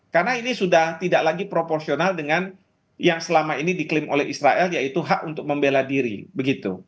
karena ini sudah tidak lagi proporsional dengan yang selama ini diklaim oleh israel yaitu hak untuk membela diri begitu